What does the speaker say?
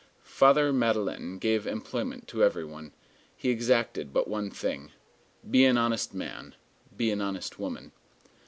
Father Madeleine gave employment to every one. He exacted but one thing: Be an honest man. Be an honest woman.